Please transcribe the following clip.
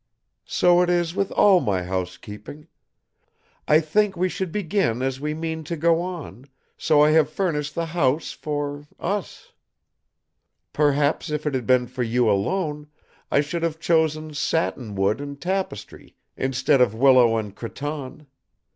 So it is with all my housekeeping. I think we should begin as we mean to go on, so I have furnished the house for us. Perhaps if it had been for you alone, I should have chosen satin wood and tapestry instead of willow and cretonne.